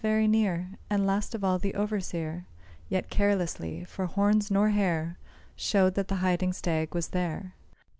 very near, And last of all the overseer, Yet carelessly, for horns nor hair Showed that the hiding stag was there.